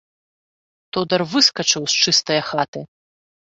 Тодар выскачыў з чыстае хаты.